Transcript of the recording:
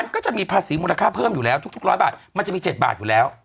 ก็จะมีภาษีมูลค่าเพิ่มอยู่แล้วทุกร้อยบาทมันจะมี๗บาทอยู่แล้ว